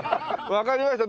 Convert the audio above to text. わかりました。